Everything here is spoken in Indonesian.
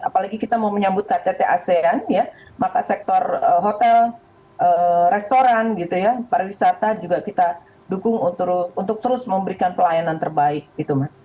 apalagi kita mau menyambut ktt asean ya maka sektor hotel restoran gitu ya pariwisata juga kita dukung untuk terus memberikan pelayanan terbaik gitu mas